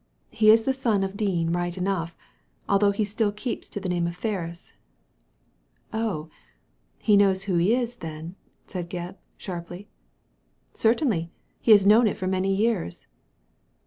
He is the son of Dean right enough, although he still keeps to the name of Ferris." •* Oh ! he knows who he is, then ?" said Gebb, sharply. " Certainly I He has known it for many years."